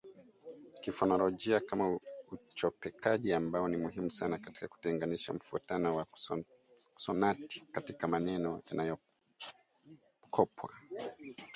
kifonolojia kama uchopekaji ambao ni muhimu sana katika kutenganisha mfuatano wa konsonanti katika maneno yanayokopwa